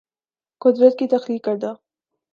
قدرت کی تخلیق کردہ